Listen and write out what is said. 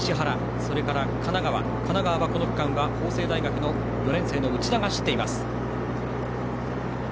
それから、神奈川はこの区間は法政大学４年生の内田が走っています。